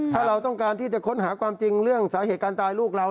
ถ้าเราต้องการที่จะค้นหาความจริงเรื่องสาเหตุการณ์ตายลูกเรา